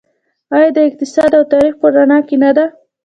آیا د اقتصاد او تاریخ په رڼا کې نه ده؟